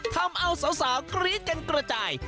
ทำเอาสาวกรี๊ดกันกระจาย